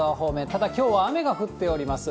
ただ、きょうは雨が降っております。